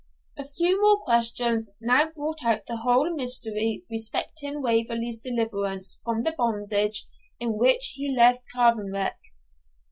A few more questions now brought out the whole mystery respecting Waverley's deliverance from the bondage in which he left Cairnvreckan.